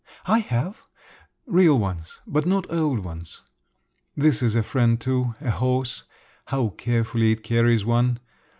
"I have; real ones—but not old ones. This is a friend too—a horse. How carefully it carries one!